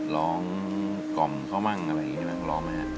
ร้องกล่อมเขามั่งอะไรอย่างนี้มันร้องมั้ยครับ